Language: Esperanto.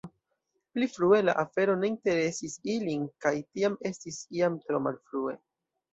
Pli frue la afero ne interesis ilin kaj tiam estis jam tro malfrue.”